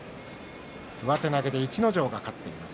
上手投げで逸ノ城が勝っています。